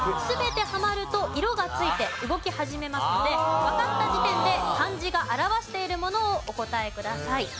全てはまると色が付いて動き始めますのでわかった時点で漢字が表しているものをお答えください。